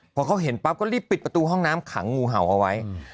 พอเขาเห็นปั๊บก็รีบปิดประตูห้องน้ำขังงูเห่าเอาไว้